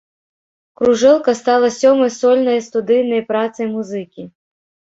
Кружэлка стала сёмай сольнай студыйнай працай музыкі.